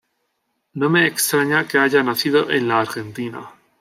No me extraña que haya nacido en la Argentina.